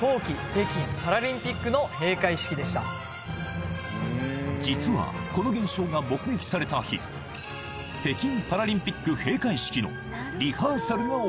北京パラリンピックの閉会式でした実はこの現象が目撃された日北京パラリンピック